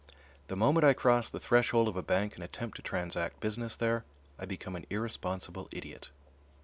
The moment I cross the threshold of a bank and attempt to transact business there, I become an irresponsible idiot.